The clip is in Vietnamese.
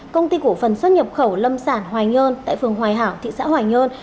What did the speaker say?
công ty cổ phần xuất nhập khẩu lâm sản hoài nhơn tại phường hoài hảo thị xã hoài nhơn